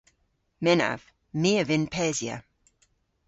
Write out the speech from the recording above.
Mynnav. My a vynn pesya.